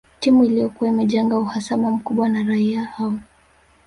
Timu Iliyokuwa imejenga uhasama mkubwa na raia hao